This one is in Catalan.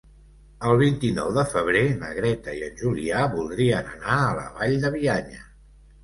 El vint-i-nou de febrer na Greta i en Julià voldrien anar a la Vall de Bianya.